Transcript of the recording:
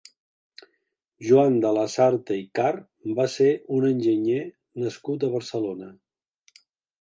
Joan de Lasarte i Karr va ser un enginyer nascut a Barcelona.